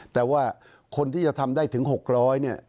แต่ว่าคนที่จะทำได้ถึง๖๐๐เนี่ย